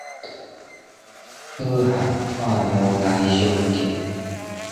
好漢破腹來相見